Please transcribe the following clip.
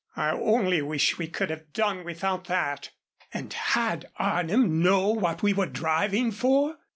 "I only wish we could have done without that." "And had Arnim know what we were driving for?